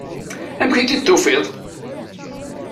Amek i t-id-tufiḍ?